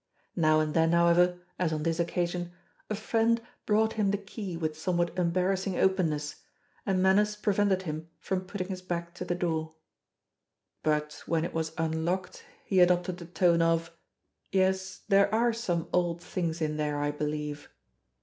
Now and then, however, as on this occasion, a friend brought him the key with somewhat embarrassing openness, and manners prevented him from putting his back to the door. But when it was unlocked he adopted the tone of, "Yes, there are some old things in there, I believe.